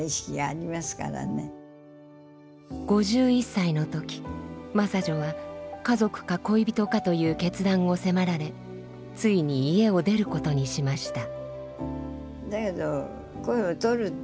５１歳の時真砂女は家族か恋人かという決断を迫られついに家を出ることにしました。